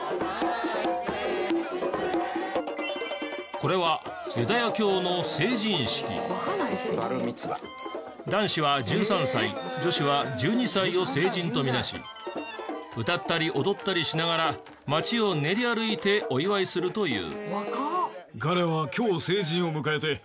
これは男子は１３歳女子は１２歳を成人とみなし歌ったり踊ったりしながら街を練り歩いてお祝いするという。